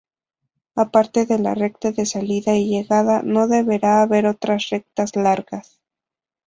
Aparte de la recta de salida y llegada, no deberá haber otras rectas largas.